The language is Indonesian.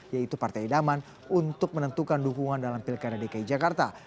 yaitu partai idaman untuk menentukan dukungan dalam pilkada dki jakarta